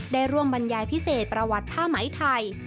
ได้ร่วมบรรยายพิเศษประวัติผ้าไหมไทย